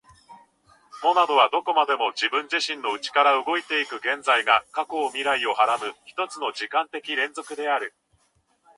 モナドはどこまでも自己自身の内から動いて行く、現在が過去を負い未来を孕はらむ一つの時間的連続である。